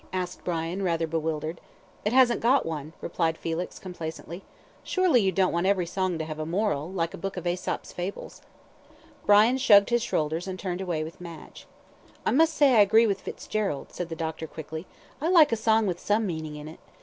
asked Brian, rather bewildered. "It hasn't got one," replied Felix, complacently. "Surely you don't want every song to have a moral, like a book of Aesop's Fables?" Brian shrugged his shoulders, and turned away with Madge. "I must say I agree with Fitzgerald," said the doctor, quickly. "I like a song with some meaning in it.